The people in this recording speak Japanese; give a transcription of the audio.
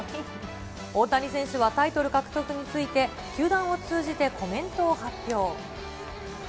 大谷選手はタイトル獲得について、球団を通じてコメントを発表。